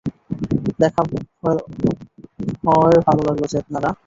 দেখা হয়ে ভালো লাগলে, চেদনারা।